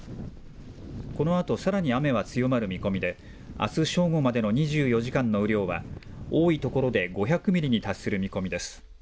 このあと、さらに雨は強まる見込みで、あす正午までの２４時間の雨量は、多い所で５００ミリに達する見込みです。